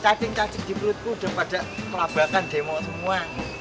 cating cacik di pelutku udah pada melabarkan deh mau semua